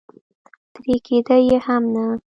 ترې کېده یې هم نه.